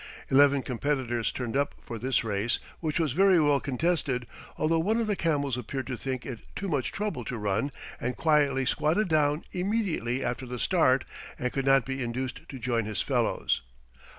Eleven competitors turned up for this race, which was very well contested, although one of the camels appeared to think it too much trouble to run, and quietly squatted down immediately after the start, and could not be induced to join his fellows.